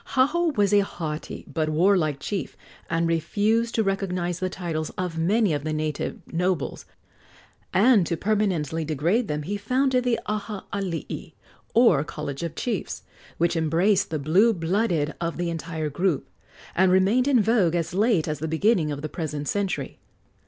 Haho was a haughty but warlike chief, and refused to recognize the titles of many of the native nobles; and, to permanently degrade them, he founded the Aha alii, or college of chiefs, which embraced the blue blooded of the entire group, and remained in vogue as late as the beginning of the present century.